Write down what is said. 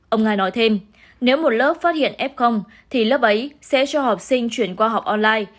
ông nga nói thêm nếu một lớp phát hiện f thì lớp ấy sẽ cho học sinh chuyển qua học online